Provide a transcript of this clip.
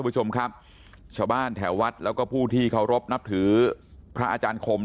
ชาวบ้านแถววัดแล้วก็ผู้ที่เคารพนับถือพระอาจารย์ครม